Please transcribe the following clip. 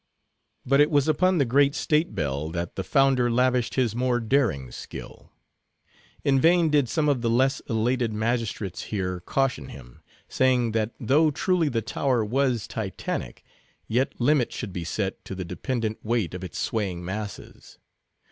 But it was upon the great state bell that the founder lavished his more daring skill. In vain did some of the less elated magistrates here caution him; saying that though truly the tower was Titanic, yet limit should be set to the dependent weight of its swaying masses.